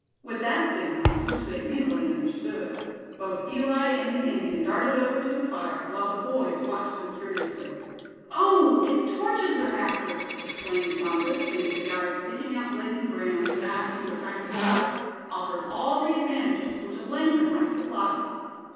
With that signal, which they easily understood, both Eli and the Indian darted over to the fire; while the boys watched them curiously. "Oh! it's torches they're after!" exclaimed Bumpus, seeing the guides picking out blazing brands that, to their practiced eyes, offered all the advantages which a lantern might supply.